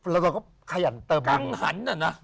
แล้วเราก็ขยันเติมบุญ